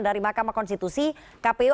dari mahkamah konstitusi kpu